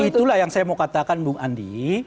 itulah yang saya mau katakan bung andi